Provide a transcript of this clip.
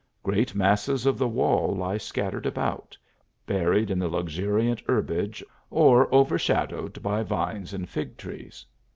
Great masses of the wall lie scattered about, buried in the luxuriant herbage, or overshadowed by vines and fig trees.